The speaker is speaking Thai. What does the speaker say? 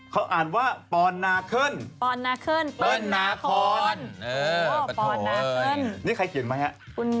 เขาอ่านว่าปอนนาเคิลปอนนาเคิลนาคอนนาขึ้นนี่ใครเขียนไหมฮะ